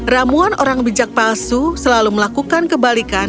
ramuan orang bijak palsu selalu melakukan kebalikan